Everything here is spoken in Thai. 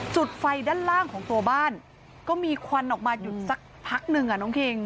จุดไฟด้านล่างของตัวบ้านก็มีควันออกมาหยุดสักพักหนึ่งอ่ะน้องคิง